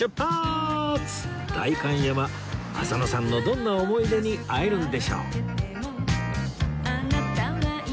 代官山浅野さんのどんな思い出に会えるんでしょう？